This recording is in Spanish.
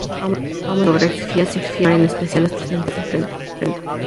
Aumentaron las fotografías sin firmar, en especial las procedentes del frente.